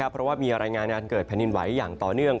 เพราะว่ามีรายงานการเกิดแผ่นดินไหวอย่างต่อเนื่อง